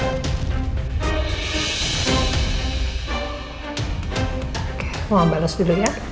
oke mau ambalas dulu ya